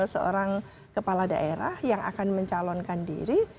seorang kepala daerah yang akan mencalonkan diri